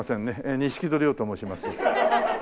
錦戸亮と申します。